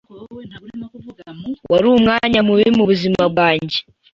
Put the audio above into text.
Wari umwanya mubi mubuzima bwanjye.